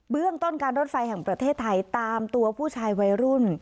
เรื่องต้นการรถไฟแห่งประเทศไทยตามตัวผู้ชายวัยรุ่น